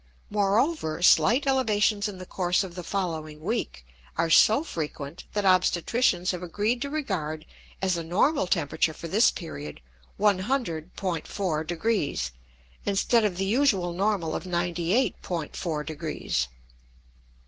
Moreover, slight elevations in the course of the following week are so frequent that obstetricians have agreed to regard as a normal temperature for this period 100.4 degrees instead of the usual normal of 98.4 degrees.